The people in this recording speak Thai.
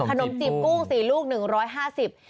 จีบกุ้ง๔ลูก๑๕๐บาท